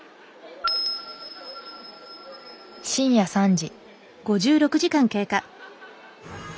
深夜３時。